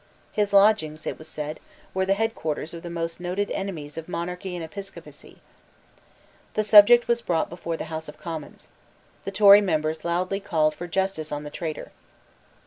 His lodgings, it was said, were the head quarters of the most noted enemies of monarchy and episcopacy, The subject was brought before the House of Commons. The Tory members called loudly for justice on the traitor.